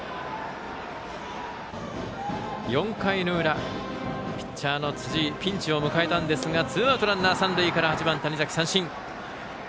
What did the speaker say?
４回の裏、ピッチャーの辻井ピンチを迎えたんですがツーアウトランナー、三塁から８番、谷嵜は三振。